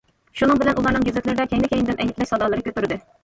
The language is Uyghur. شۇنىڭ بىلەن ئۇلارنىڭ گېزىتلىرىدە كەينى- كەينىدىن ئەيىبلەش سادالىرى كۆتۈردى.